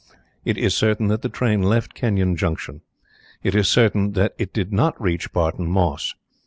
It is certain that the train left Kenyon Junction. It is certain that it did not reach Barton Moss.